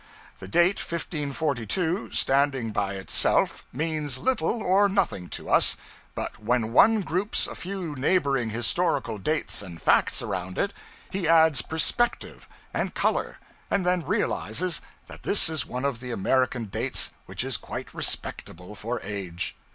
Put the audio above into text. The date 1542, standing by itself, means little or nothing to us; but when one groups a few neighboring historical dates and facts around it, he adds perspective and color, and then realizes that this is one of the American dates which is quite respectable for age.